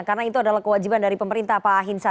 karena itu adalah kewajiban dari pemerintah pak ahinsa